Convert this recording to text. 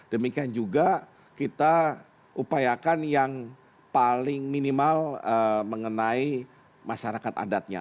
demikian juga kita upayakan yang paling minimal mengenai masyarakat adatnya